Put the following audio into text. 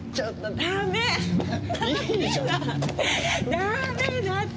ダメだって。